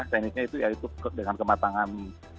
tekniknya itu dengan kematangan